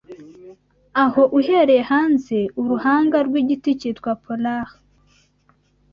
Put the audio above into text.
aho, uhereye hanze Uruhanga rwigiti cyitwa pollard